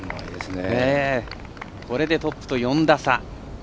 これでトップと４打差。